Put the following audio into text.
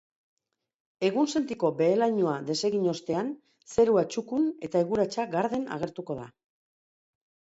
Egunsentiko behe-lainoa desegin ostean, zerua txukun eta eguratsa garden agertuko da.